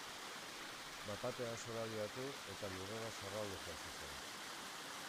Bat batean zorabiatu eta lurrera zerraldo jausi zen.